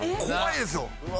怖いですよ。